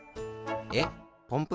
えっポンプ